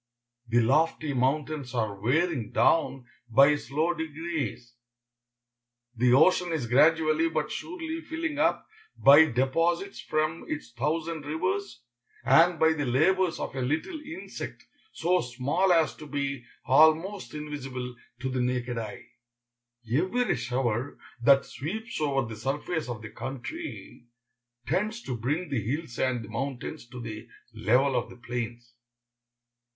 The lofty mountains are wearing down by slow degrees. The ocean is gradually, but surely, filling up, by deposits from its thousand rivers, and by the labors of a little insect so small as to be almost invisible to the naked eye. Every shower that sweeps over the surface of the country tends to bring the hills and the mountains to the level of the plains.